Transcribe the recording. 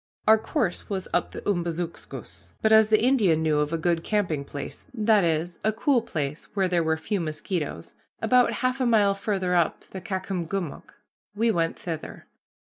Our course was up the Umbazookskus, but as the Indian knew of a good camping place, that is, a cool place where there were few mosquitoes, about half a mile farther up the Caucomgomoc, we went thither.